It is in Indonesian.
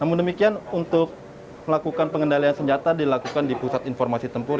namun demikian untuk melakukan pengendalian senjata dilakukan di pusat informasi tempur